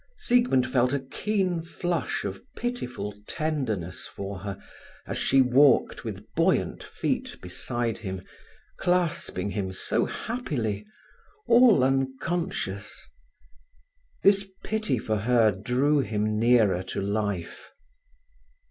Siegmund felt a keen flush of pitiful tenderness for her as she walked with buoyant feet beside him, clasping him so happily, all unconscious. This pity for her drew him nearer to life.